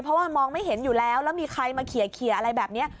เพราะว่ามองไม่เห็นอยู่แล้วแล้วมีใครมาเขียอะไรแบบนี้